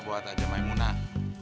buat aja maimunah